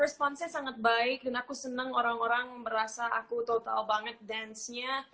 responnya sangat baik dan aku seneng orang orang merasa aku total banget dance nya